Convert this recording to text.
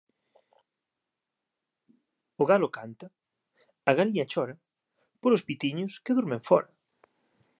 O galo canta, a galiña chora, polos pitiños que dormen fóra.